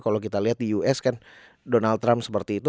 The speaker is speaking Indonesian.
kalau kita lihat di us kan donald trump seperti itu